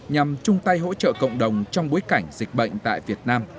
nhằm chung tay hỗ trợ cộng đồng trong bối cảnh dịch bệnh tại việt nam